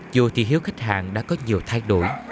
dù thị hiếu khách hàng đã có nhiều thay đổi